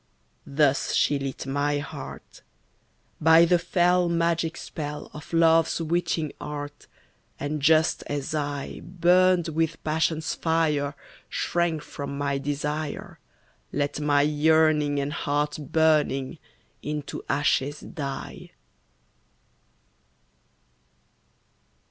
Thus she lit my heart, By the fell magic spell Of love's witching art, And just as I Burned with passion's fire, shrank from my desire, Let my yearning and heart burning Into ashes die.